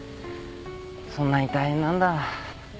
そんなに大変なんだ。